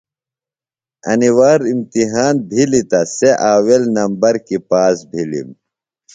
انیۡ وار امتحان بِھلیۡ تہ سےۡ آویل نمبر کیۡ پاس بِھلِم۔